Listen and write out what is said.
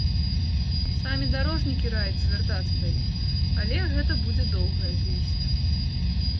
Самі дарожнікі раяць звяртацца да іх, але гэта будзе доўгая песня.